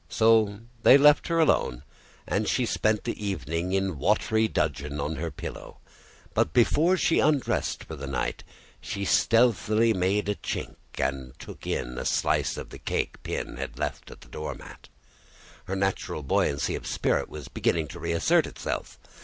So they left her alone, and she spent the evening in watery dudgeon on her pillow. But before she undressed for the night she stealthily made a chink and took in the slice of cake Pin had left on the door mat. Her natural buoyancy of spirit was beginning to reassert itself.